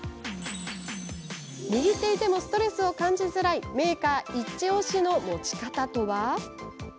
握っていてもストレスを感じづらいメーカーイチおしの持ち方とは？